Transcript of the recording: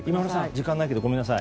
時間ないけど、ごめんなさい。